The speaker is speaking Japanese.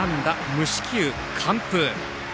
無四球完封。